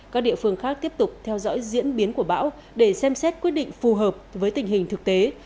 các địa phương khác tiếp tục theo dõi diễn biến của bão để xem xét quyết định phù hợp với tình hình thực tế